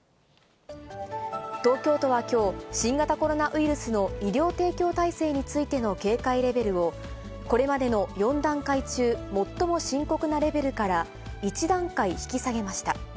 東京都はきょう、新型コロナウイルスの医療提供体制についての警戒レベルを、これまでの４段階中最も深刻なレベルから１段階引き下げました。